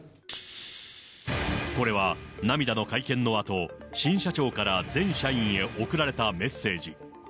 これは涙の会見のあと、新社長から全社員へ送られたメッセージ。